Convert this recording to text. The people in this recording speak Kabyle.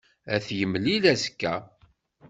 Ad t-yemlil azekka.